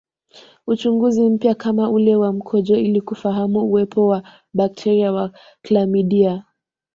Uchunguzi mpya kama ule wa mkojo ili kufahamu uwepo wa bakteria wa klamidia